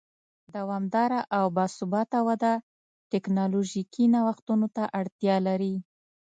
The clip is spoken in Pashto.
دوامداره او با ثباته وده ټکنالوژیکي نوښتونو ته اړتیا لري.